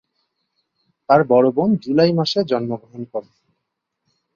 তার বড় বোন জুলাই মাসে জন্মগ্রহণ করে।